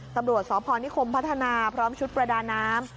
ตำรวจสพนิคมพัฒนาพร้อมชุดประดาน้ำ